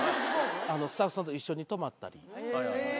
スタッフさんと一緒に泊まったり。